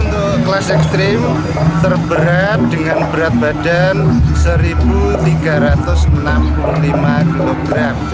untuk kelas ekstrim terberat dengan berat badan satu tiga ratus enam puluh lima kg